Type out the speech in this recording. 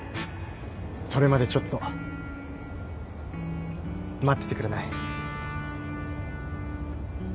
それまでちょっと待っててくれない？